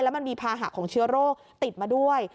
มันมีภาหะของเชื้อโรคติดมาด้วย